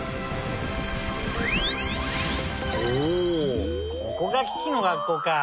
おおここがキキの学校か。